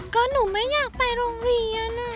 ก็หนูไม่อยากไปโรงเรียน